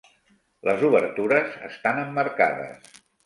Les obertures estan emmarcades.